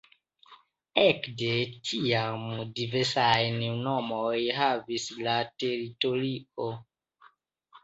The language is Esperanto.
Ekde tiam diversajn nomojn havis la teritorio.